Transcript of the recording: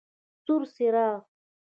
سور څراغ: